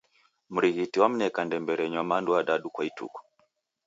Mrighiti wamneka ndembe renywa mandu adadu kwa ituku